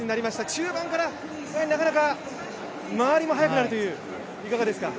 中盤からなかなか周りも速くなるという、いかがですか。